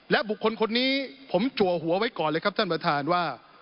และบุคคลคนนี้ผมจัวหัวไว้ก่อนเลยครับท่านประธานว่า